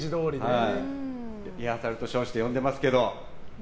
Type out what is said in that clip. リハーサルと称して呼んでますけど。